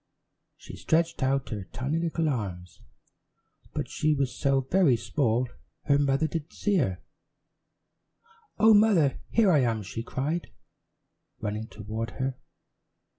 She stretched out her tiny little arms, but she was so very small her mother didn't see her. "Oh, Mother, here I am," she cried, running toward her.